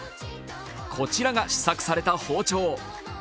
こちらが試作された包丁。